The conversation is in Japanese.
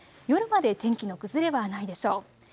夜まで天気の崩れはないでしょう。